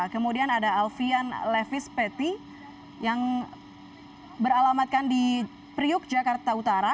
kemudian ada alfian levis peti yang beralamatkan di priuk jakarta utara